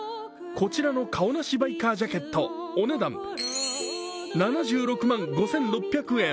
こちらのカオナシバイカージャケット、お値段７６万５６００円。